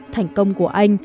thành công của anh